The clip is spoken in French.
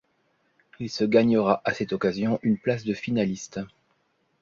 Il se gagnera à cette occasion une place de finaliste.